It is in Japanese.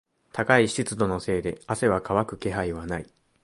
高い湿度のせいで汗は乾く気配はない。